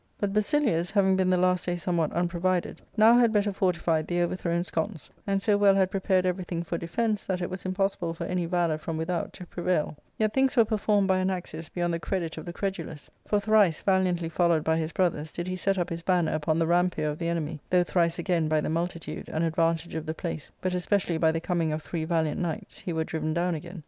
But Basilius, having been the last day somewhat unprovided, now had better fortified the overthrown sconce, and so well had prepared everything for defence that it was impossible for any valour from without to prevail Yet things were performed by Anaxius beyond the credit of the credulous ; for thrice, valiantly followed by his brothers, did he set up his banner upon the rampier of the enemy, though thrice, again, by the multitude, and advantage of the place, but especially by the coming of three valiant knights, he were driven down again.